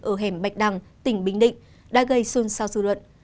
ở hẻm bạch đằng tỉnh bình định đã gây xôn xao dư luận